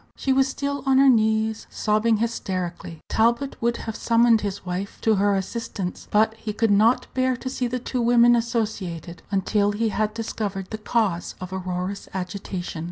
She was still on her knees, sobbing hysterically. Talbot would have summoned his wife to her assistance, but he could not bear to see the two women associated until he had discovered the cause of Aurora's agitation.